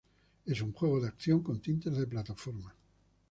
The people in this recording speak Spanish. Es un juego de acción con tintes de plataforma.